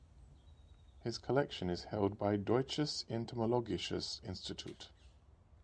His collection is held by Deutsches Entomologisches Institut.